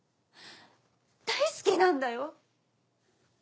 大好きなんだよ。